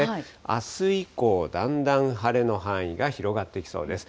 あす以降、だんだん晴れの範囲が広がってきそうです。